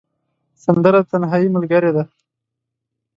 سندره د تنهايي ملګرې ده